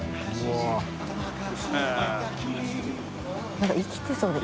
何か生きてそうで。